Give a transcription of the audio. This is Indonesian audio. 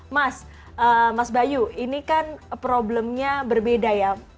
mas mas bayu ini kan problemnya berbeda ya